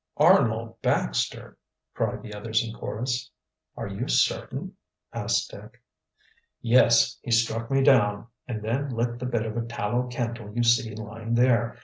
"Arnold Baxter!" cried the others in chorus. "Are you certain?" asked Dick. "Yes. He struck me down, and then lit the bit of tallow candle you see lying there.